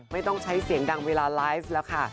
ไม่ต้องใช้เสียงดังเวลาไลฟ์แล้วค่ะ